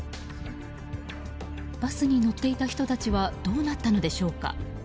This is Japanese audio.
バスに乗っていた人たちはどうなったのでしょうか。